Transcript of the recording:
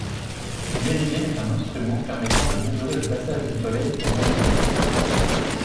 Une méridienne est un instrument permettant de mesurer le passage du soleil au méridien.